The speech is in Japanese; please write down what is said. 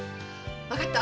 分かった。